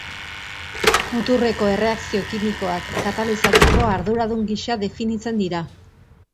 Muturreko erreakzio kimikoak katalizatzeko arduradun gisa definitzen dira.